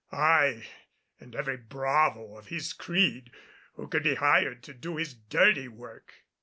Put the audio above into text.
Aye, and every bravo of his creed who could be hired to do his dirty work.